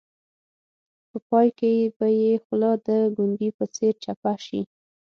په پای کې به یې خوله د ګونګي په څېر چپه شي.